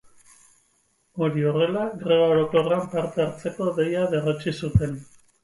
Hori horrela, greba orokorrean parte hartzeko deia berretsi zuten.